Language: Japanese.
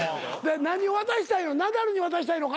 何を渡したいの？